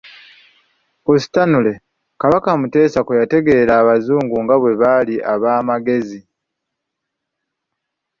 Ku Stanley, Kabaka Mutesa kwe yategeerera Abazungu nga bwe bali ab'amagezi.